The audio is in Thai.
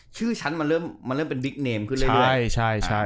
ชื่อชั้นมันเริ่มเป็นบริกเนมขึ้นเรื่อย